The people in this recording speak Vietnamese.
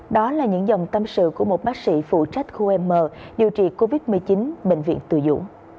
đó là những dòng tâm sự của một bác sĩ phụ trách khu m điều trị covid một mươi chín bệnh viện từ dũng